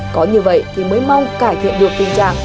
có như vậy thì mới mong cải thiện được tình trạng